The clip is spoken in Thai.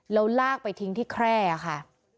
แล้วลากไปทิ้งที่แคร่ค่ะ